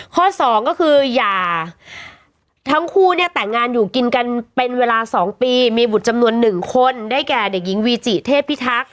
สองก็คืออย่าทั้งคู่เนี่ยแต่งงานอยู่กินกันเป็นเวลา๒ปีมีบุตรจำนวนหนึ่งคนได้แก่เด็กหญิงวีจิเทพิทักษ์